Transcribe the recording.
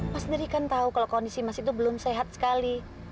mas sendiri kan tahu kalau kondisi mas itu belum sehat sekali